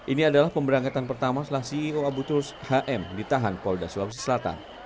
ini adalah pemberangkatan pertama setelah ceo abu turs hm ditahan polda sulawesi selatan